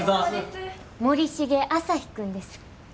森重朝陽君です。